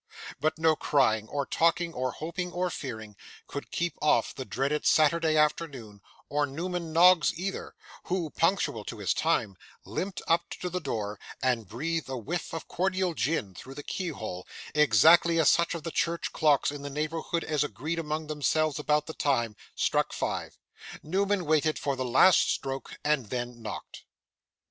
But no crying, or talking, or hoping, or fearing, could keep off the dreaded Saturday afternoon, or Newman Noggs either; who, punctual to his time, limped up to the door, and breathed a whiff of cordial gin through the keyhole, exactly as such of the church clocks in the neighbourhood as agreed among themselves about the time, struck five. Newman waited for the last stroke, and then knocked.